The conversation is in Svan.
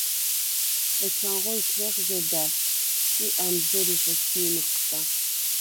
ეჩანღო ითრეხ ზედა̈შს ი ა̈მზჷრიხ ეჩი̄ მჷჴდა.